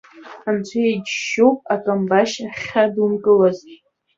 Анцәа иџьшьоуп, акамбашь сахьадумкылаз.